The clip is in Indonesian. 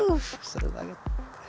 uff seru banget